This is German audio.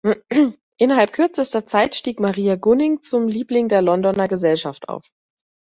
Innerhalb kürzester Zeit stieg Maria Gunning zum Liebling der Londoner Gesellschaft auf.